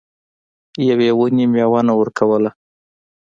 یوې ونې میوه نه ورکوله.